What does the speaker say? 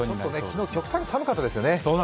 昨日極端に寒かったですよね。